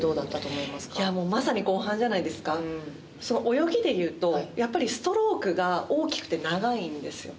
泳ぎでいうとストロークが大きくて長いんですよ。